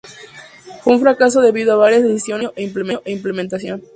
Fue un fracaso debido a varias decisiones de diseño e implementación.